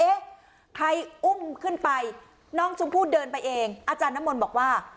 เอ๊ะใครอุ้มขึ้นไปน้องชมพู่เดินไปเองอาจารย์น้ำมนต์บอกว่า